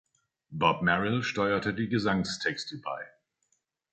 Bob Merrill steuerte die Gesangstexte bei.